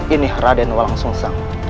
ini raden walang sungsang